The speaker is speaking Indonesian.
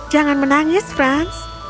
jangan menangis franz